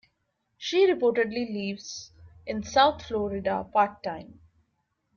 She reportedly lives in South Florida part-time.